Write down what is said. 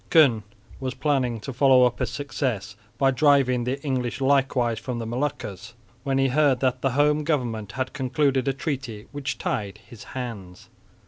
Koen was planning to follow up his success by driving the English likewise from the Moluccas, when he heard that the home government had concluded a treaty which tied his hands.